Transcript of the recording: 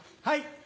はい。